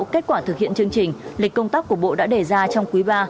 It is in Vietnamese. kết quả thực hiện chương trình lịch công tác của bộ đã đề ra trong quý ba